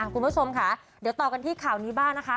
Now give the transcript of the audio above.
คุณผู้ชมค่ะเดี๋ยวต่อกันที่ข่าวนี้บ้างนะคะ